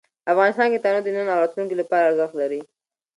افغانستان کې تنوع د نن او راتلونکي لپاره ارزښت لري.